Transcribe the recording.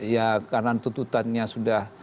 ya karena tuntutannya sudah